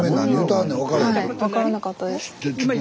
はい分からなかったです。